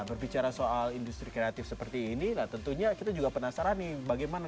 nah berbicara soal industri kreatif seperti inilah tentunya kita juga penasaran nih bagaimana